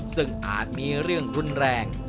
ซึ่งอาจมีเรื่องรุนแรง